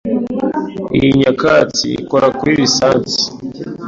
Iyi nyakatsi ikora kuri lisansi.